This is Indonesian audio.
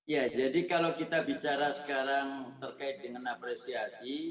ya jadi kalau kita bicara sekarang terkait dengan apresiasi